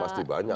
ya pasti banyak